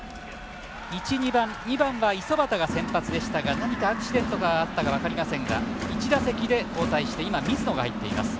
２番は五十幡が先発でしたが何かアクシデントがあったか分かりませんが１打席で交代して、水野が入っています。